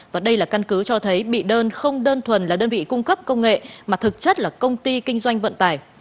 và đây là căn cứ cho thấy bị đơn không đơn thuần là đơn vị cung cấp công nghệ mà thực chất là công ty kinh doanh vận tải